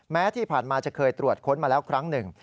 แม้ที่ผ่านมาจะเคยตรวจค้นมาแล้วครั้งหนึ่ง